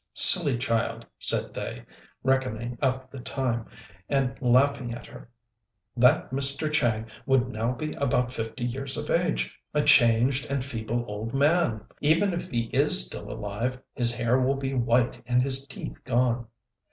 "Silly child," said they, reckoning up the time, and laughing at her; "that Mr. Chang would now be about fifty years of age, a changed and feeble old man. Even if he is still alive, his hair will be white and his teeth gone."